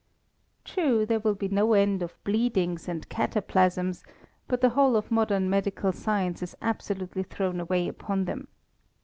True there will be no end of bleedings and cataplasms, but the whole of modern medical science is absolutely thrown away upon them.